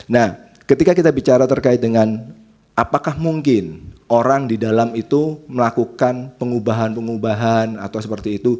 nah ketika kita bicara terkait dengan apakah mungkin orang di dalam itu melakukan pengubahan pengubahan atau seperti itu